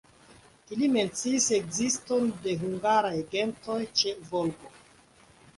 Ili menciis ekziston de hungaraj gentoj ĉe Volgo.